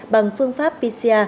bằng phương pháp pcr